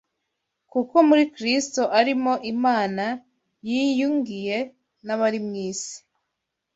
Kuko muri Kristo ari mo Imana yiyungiye n’abari mu isi